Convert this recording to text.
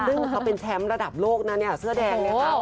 ซึ่งเขาเป็นแชมป์ระดับโลกนั้นเสื้อแดง